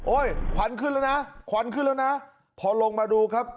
ควันขึ้นแล้วนะควันขึ้นแล้วนะพอลงมาดูครับ